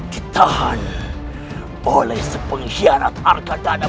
ditahan oleh sepengkhianat harga dana